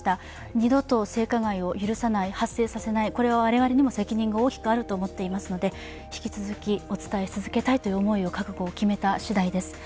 二度と性加害を許さない、発生させないこれは我々にも責任が大きくあると思っていますので引き続きお伝えし続けたいという思い、覚悟を決めた次第です。